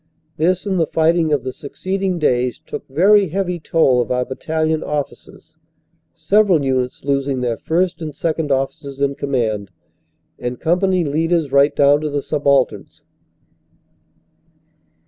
This and the fighting of the succeeding days took very heavy toll of our battalion officers, several units losing their first and second officers in command, and company leaders right down to the subalterns.